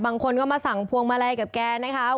บางคนก็มาสั่งพวงมาลัยกับแกนะคะ